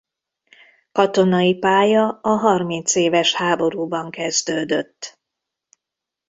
Katonai pálya a harmincéves háborúban kezdődött.